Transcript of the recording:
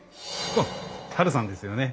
ハルさんですよね。